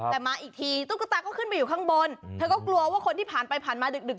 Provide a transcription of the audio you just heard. แต่มาอีกทีตุ๊กตาก็ขึ้นไปอยู่ข้างบนเธอก็กลัวว่าคนที่ผ่านไปผ่านมาดึก